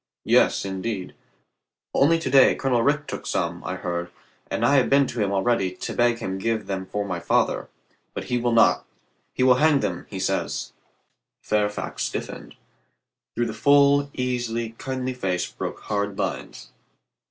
"Yes, indeed. Only to day Colonel Rich took some, I heard, and I have been to him already to beg him give them for my father. But he will not. He will hang them, he says." COLONEL RICH IS INTERRUPTED 305 Fairfax stiflFened. Through the full, easy, kindly face broke hard lines.